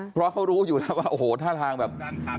เพราะเขารู้อยู่แล้วว่าโอ้โหท่าทางแบบ